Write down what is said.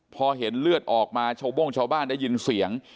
พอเห็นเลือดออกมาชาวโบ้งชาวบ้านได้ยินเสียง